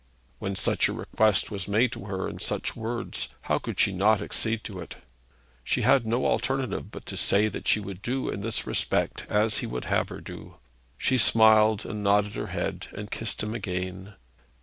When such a request was made to her in such words, how could she not accede to it? She had no alternative but to say that she would do in this respect as he would have her. She smiled, and nodded her head, and kissed him again.